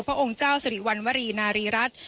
พระองค์เจ้าสิริวัณวรีนารีรัฐ